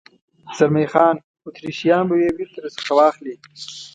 زلمی خان: اتریشیان به یې بېرته در څخه واخلي.